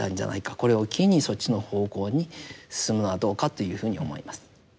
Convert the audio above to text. これを機にそっちの方向に進むのはどうかというふうに思います。